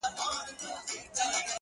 گراني په تا باندي چا كوډي كړي_